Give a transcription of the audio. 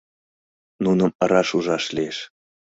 Нуным раш ужаш лиеш.